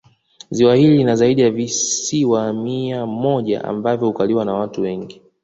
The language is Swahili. Ziwa hili lina zaidi ya visiwa mia moja ambavyo hukaliwa na watu wengi